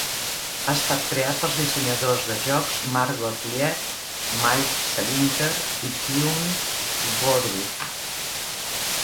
Ha estat creat pels dissenyadors de jocs Mark Gottlieb, Mike Selinker i Teeuwynn Woodruff.